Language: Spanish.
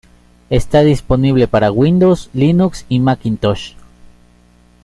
Está disponible para Windows, Linux y Macintosh.